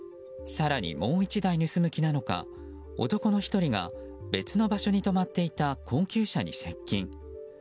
更にもう１台盗む気なのか男の１人が別の場所に止まっていた高級車に接近。